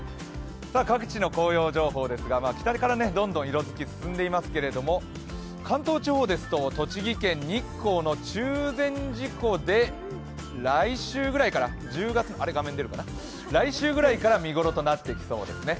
各地の紅葉情報ですが、北からどんどん色づきが進んでいますけれども関東地方ですと栃木県日光の中禅寺湖で来週ぐらいから見ごろとなってきそうですね。